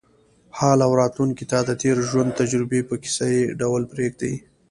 حال او راتلونکې ته د تېر ژوند تجربې په کیسه یې ډول پرېږدي.